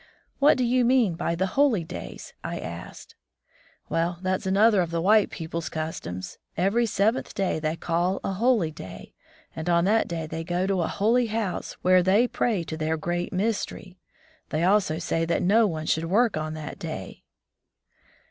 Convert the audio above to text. "What do you mean by the *holy days*?" I asked. "Well, that's another of the white people's customs. Every seventh day they call a *holy day', and on that day they go to a *Holy House', where they pray to their Great Mystery. They also say that no one should work on that day."